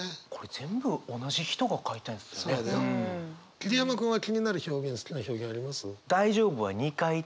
桐山君は気になる表現好きな表現あります？